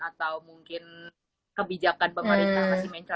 atau mungkin kebijakan pemerintah masih mencela mencela